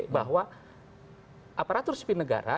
bahwa aparatur sipil negara